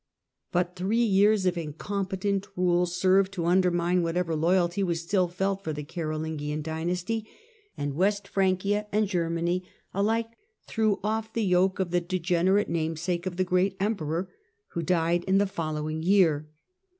But three years of incompetent rule served to undermine whatever loyalty was still felt for the Carolingian dynasty, and West Francia and Germany alike threw off the yoke of the degenerate namesake of the great Emperor, who died in the following year.